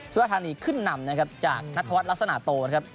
รธานีขึ้นนำนะครับจากนัทวัฒนลักษณะโตนะครับ